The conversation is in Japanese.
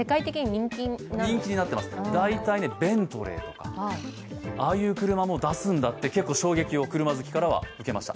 人気になっています、ベントレーとか、ああいう車も出すんだって、結構衝撃を車好きからは受けました。